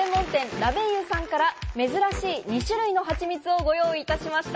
ラベイユさんから珍しい２種類のはちみつをご用意いたしました。